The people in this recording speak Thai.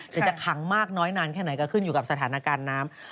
แต่จะขังมากน้อยนานแค่ไหนก็ขึ้นอยู่กับสถานการณ์น้ำ